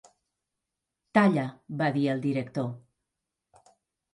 "Talla" va dir el director.